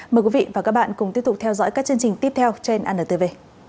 mời quý vị và các bạn cùng tiếp tục theo dõi các chương trình tiếp theo trên antv